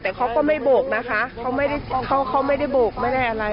แต่เขาก็ไม่โบกนะคะเขาไม่ได้โบกไม่ได้อะไร